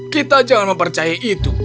kita jangan mempercayai itu